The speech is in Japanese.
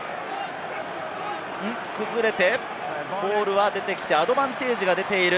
崩れて、ボールが出てきて、アドバンテージが出ている。